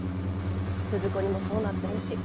鈴子にもそうなってほしい。